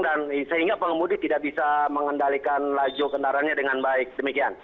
dan sehingga pengemudi tidak bisa mengendalikan laju kendaranya dengan baik demikian